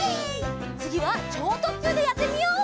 つぎはちょうとっきゅうでやってみよう！